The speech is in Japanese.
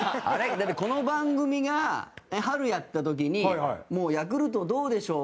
だってこの番組が春やった時にヤクルトどうでしょう？